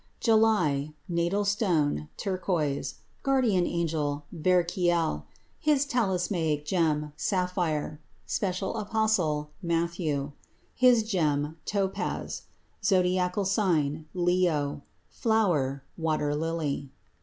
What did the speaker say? JULY Natal stone Turquoise. Guardian angel Verchiel. His talismanic gem Sapphire. Special apostle Matthew. His gem Topaz. Zodiacal sign Leo. Flower Water lily.